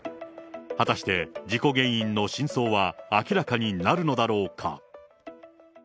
果たして事故原因の真相は明らかになるのだろうか。